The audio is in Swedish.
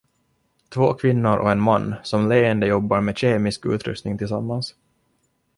Två kvinnor och en man som leende jobbar med kemisk utrustning tillsammans.